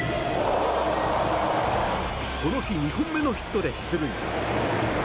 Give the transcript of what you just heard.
この日、２本目のヒットで出塁。